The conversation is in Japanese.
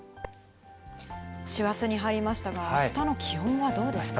師走に入りましたが、あしたの気温はどうですか。